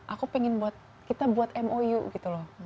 aku pengen buat kita buat mou gitu loh